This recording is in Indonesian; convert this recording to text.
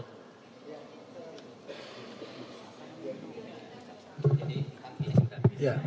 jadi kami sudah bisa ya